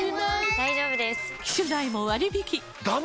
大丈夫です！